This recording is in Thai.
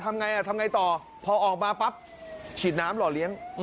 ทำไงอ่ะทำไงต่อพอออกมาปั๊บฉีดน้ำหล่อเลี้ยง